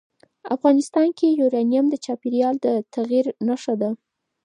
افغانستان کې یورانیم د چاپېریال د تغیر نښه ده.